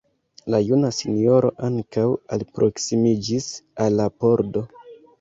La juna sinjoro ankaŭ alproksimiĝis al la pordo.